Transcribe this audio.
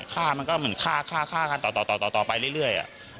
ฆ่ามันก็เหมือนฆ่าฆ่ากันต่อไปเรื่อย